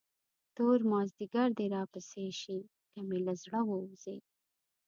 تور مازدیګر دې راپسې شي، که مې له زړه وځې.